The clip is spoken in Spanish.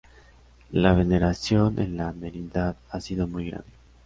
La veneración en la Merindad ha sido muy grande.